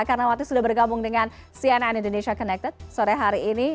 karena waktu sudah bergabung dengan cnn indonesia connected sore hari ini